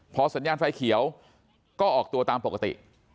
พอสัญญาณไฟเขียวก็ออกตัวตามปกติ